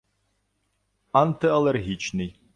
антиалергічний